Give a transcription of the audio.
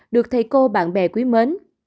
được thầy cô bạn bè quý mến